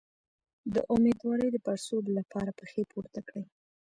د امیدوارۍ د پړسوب لپاره پښې پورته کړئ